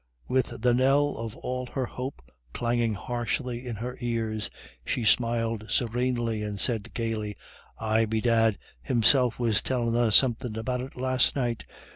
With the knell of all her hope clanging harshly in her ears, she smiled serenely, and said gaily: "Ay bedad, himself was tellin' us somethin' about it last night.